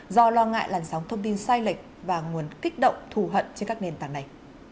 do lo ngại làn sóng thông tin sai lệch và nguồn kích động thù hận trên các nền tảng này